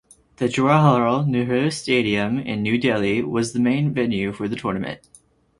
The Jawaharlal Nehru Stadium in New Delhi was the main venue for the tournament.